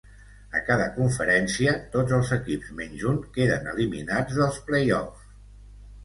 A cada conferència, tots els equips menys un queden eliminats dels play-off.